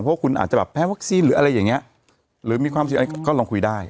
หรือพวกคุณอาจจะแบบแพ้วัคซีนหรืออะไรอย่างเงี้ยหรือมีความก็ลองคุยได้